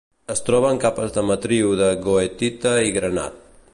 Es troba en capes en matriu de goethita i granat.